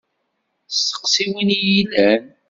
Steqsi win i yellan.